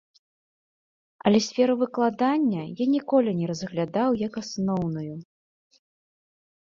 Але сферу выкладання я ніколі не разглядаў як асноўную.